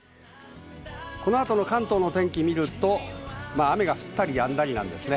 この後の関東の天気見ると、雨が降ったりやんだりなんですね。